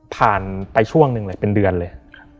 ไปช่วงหนึ่งเลยเป็นเดือนเลย